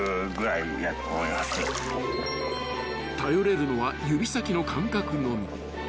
［頼れるのは指先の感覚のみ］